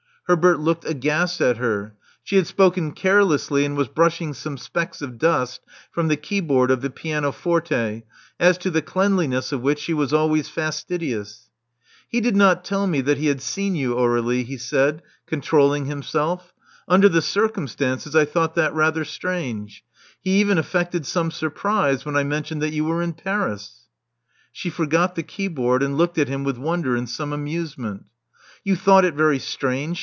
Herbert looked aghast at her. She had spoken care lessly, and was brushing some specks of dust from the keyboard of the pianoforte, as to the cleanliness of which she was always fastidious. He did not tell me that he had seen you, Aur61ie," he said, controlling himself. Under the circum stances I thought that rather strange. He even afifected some surprise when I mentioned that you were in Paris." Slie forgot the keyboard, and looked at him with wonder and some amusement. You thought it very strange!"